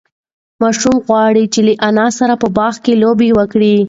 ماشوم غواړي چې له انا سره په باغ کې لوبه وکړي.